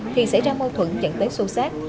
thì xảy ra mâu thuẫn dẫn tới xô xác